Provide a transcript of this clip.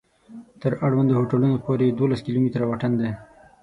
تر اړوندو هوټلونو پورې یې دولس کلومتره واټن دی.